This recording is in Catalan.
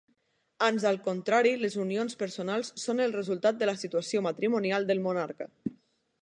Ans al contrari les unions personals són el resultat de la situació matrimonial del monarca.